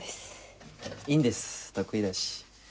いいんです得意だし。